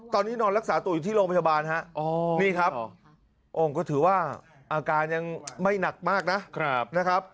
ตอนนี้นอนรักษาตัวอยู่ที่โรงพยาบาลฮะนี่ครับโอ้งก็ถือว่าอาการยังไม่หนักมากนะครับ